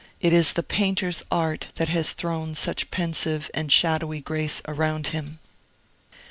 It is the painter's art that has thrown such pensive and shadowy grace around him.